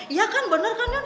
iya kan bener kan ini